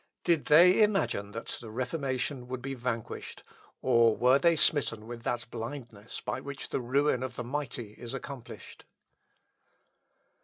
Did they imagine that the Reformation would be vanquished, or were they smitten with that blindness by which the ruin of the mighty is accomplished?